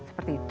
oh seperti itu